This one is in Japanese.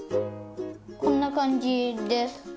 こんなかんじです。